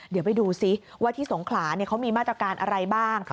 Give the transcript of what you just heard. เดี๋ยวไปดูซิว่าที่สงขลาเขามีมาตรการอะไรบ้าง